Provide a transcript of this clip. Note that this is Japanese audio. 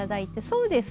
そうです。